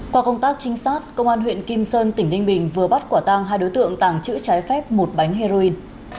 qua công tác trinh sát công an huyện kim sơn tỉnh ninh bình vừa bắt quả tang hai đối tượng tàng trữ trái phép một bánh heroin